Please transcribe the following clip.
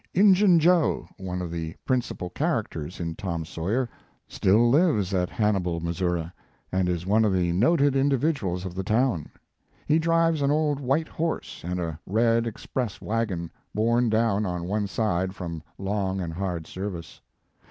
"Injin Jo" one of the principal charac ters in "Tom Sawyer" still lives at Han nibal, Mo. , and is one of the noted indi viduals of the town. He drives an old white horse and a red express wagon, borne down on one side from long and hard service.